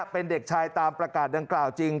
เป็นเด็กชายตามประกาศดังกล่าวจริง